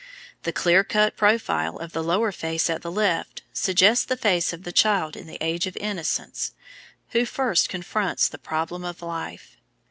The clear cut profile of the lower face at the left suggests the face of the child in the Age of Innocence who first confronts the problem of life.